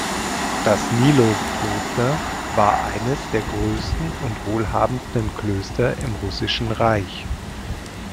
Das Nilow-Kloster war eines der größten und wohlhabendsten Klöster im Russischen Reich.